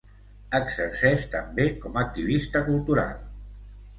Exerceix també com activista cultural.